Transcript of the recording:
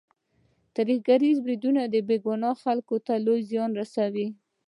ترهګریز بریدونه بې ګناه خلکو ته لوی زیان رسوي.